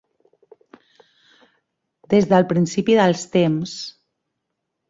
Des del principi dels temps.